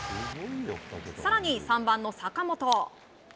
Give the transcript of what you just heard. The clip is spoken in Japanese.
更に３番の坂本。